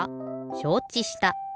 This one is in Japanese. しょうちした。